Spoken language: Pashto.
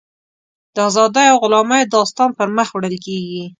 د ازادیو او غلامیو داستان پر مخ وړل کېږي.